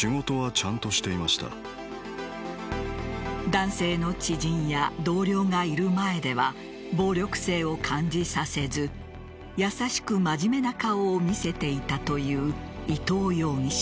男性の知人や同僚がいる前では暴力性を感じさせず優しく真面目な顔を見せていたという伊藤容疑者。